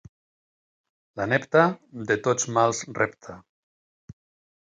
La nepta, de tots mals repta.